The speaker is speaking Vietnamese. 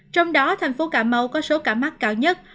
trong đó thành phố cà mau có số ca mắc cao nhất